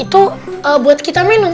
itu buat kita minum kan kita demam